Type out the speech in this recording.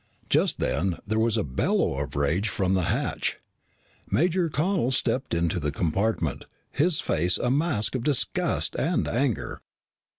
Just then, there was a bellow of rage from the hatch. Major Connel stepped into the compartment, his face a mask of disgust and anger.